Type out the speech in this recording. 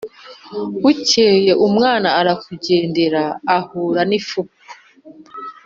Bukeye umwana arakugendera, ahura n' ifuku